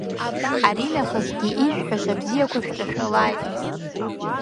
Аринахысгьы ишәҳәаша абзиақәа шәҿашәалааит.